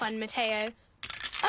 あ！